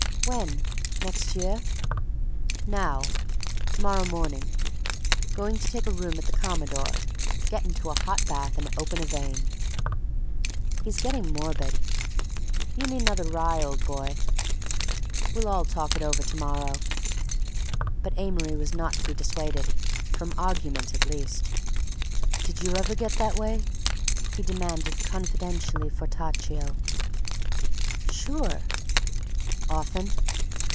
"When? Next year?" "Now. To morrow morning. Going to take a room at the Commodore, get into a hot bath and open a vein." "He's getting morbid!" "You need another rye, old boy!" "We'll all talk it over to morrow." But Amory was not to be dissuaded, from argument at least. "Did you ever get that way?" he demanded confidentially fortaccio. "Sure!" "Often?"